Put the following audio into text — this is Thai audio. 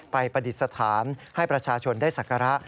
ประดิษฐานให้ประชาชนได้ศักระ